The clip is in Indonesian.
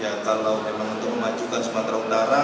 ya kalau memang untuk memajukan sumatera utara